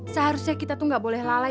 seharusnya kita tuh gak boleh lalai